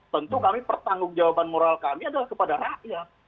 tentu kami pertanggung jawaban moral kami adalah kepada rakyat